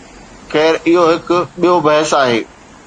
خير، اهو هڪ ٻيو بحث آهي.